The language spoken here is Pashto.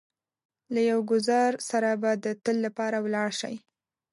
له يو ګوزار سره به د تل لپاره ولاړ شئ.